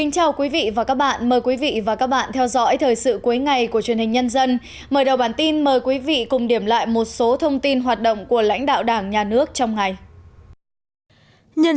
chào mừng quý vị đến với bộ phim hãy nhớ like share và đăng ký kênh của chúng mình nhé